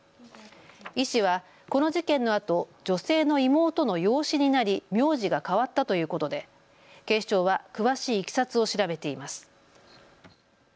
医師はこの事件のあと、女性の妹の養子になり、名字が変わったということで警視庁は詳しいいきさつを調べています。